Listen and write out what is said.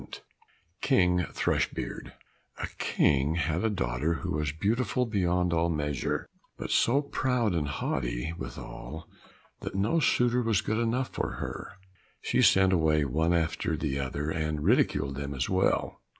52 King Thrushbeard A King had a daughter who was beautiful beyond all measure, but so proud and haughty withal that no suitor was good enough for her. She sent away one after the other, and ridiculed them as well.